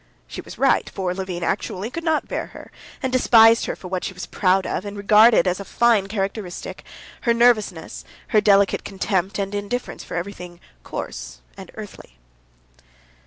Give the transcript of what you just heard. She was right, for Levin actually could not bear her, and despised her for what she was proud of and regarded as a fine characteristic—her nervousness, her delicate contempt and indifference for everything coarse and earthly.